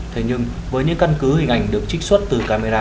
thế nhưng với những căn cứ hình ảnh được trích xuất từ camera